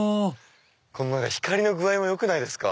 光の具合もよくないですか？